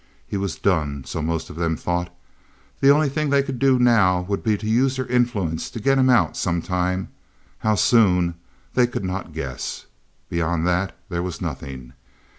He was done, so most of them thought. The only thing they could do now would be to use their influence to get him out some time; how soon, they could not guess. Beyond that there was nothing.